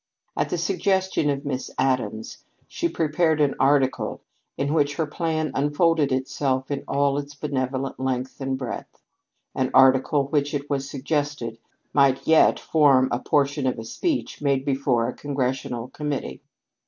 At the suggestion of Miss Addams, she prepared an article in which her plan unfolded itself in all its benevolent length and breadth an article which it was suggested might yet form a portion of a speech made before a congressional committee.